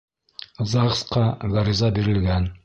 ЗАГС-ҡа ғариза бирелгән.